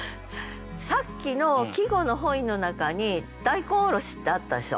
さっきの季語の本意の中に「大根おろし」ってあったでしょ。